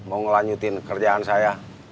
mau lanjutin kerjaan saya